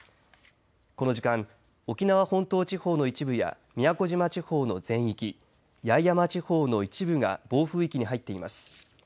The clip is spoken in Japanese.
この時間沖縄本島地方の一部や宮古島地方の全域八重山地方の一部が暴風域に入っています。